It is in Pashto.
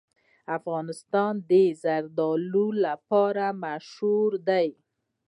افغانستان د زردالو لپاره مشهور دی.